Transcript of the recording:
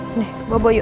sini kebobo yuk